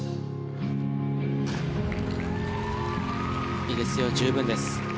いいですよ、十分です。